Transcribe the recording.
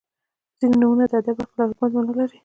• ځینې نومونه د ادب، عقل او حکمت معنا لري.